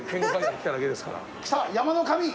来た山の神！